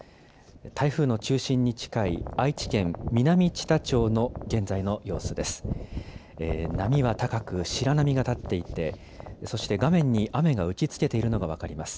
台風の中心に近い愛知県南知多町の現在の様子です。